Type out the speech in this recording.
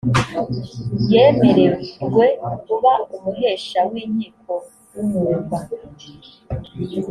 yemererwe kuba umuhesha w’inkiko w’umwuga